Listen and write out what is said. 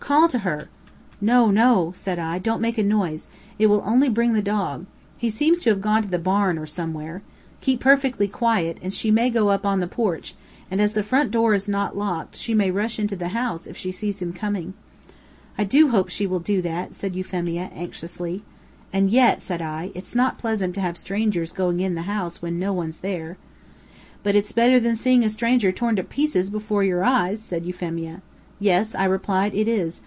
Call to her!" "No, no," said I, "don't make a noise. It will only bring the dog. He seems to have gone to the barn, or somewhere. Keep perfectly quiet, and she may go up on the porch, and as the front door is not locked, she may rush into the house, if she sees him coming." "I do hope she will do that," said Euphemia, anxiously. "And yet," said I, "it's not pleasant to have strangers going into the house when there's no one there." "But it's better than seeing a stranger torn to pieces before your eyes," said Euphemia. "Yes," I replied, "it is.